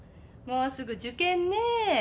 もうすぐ受験ね。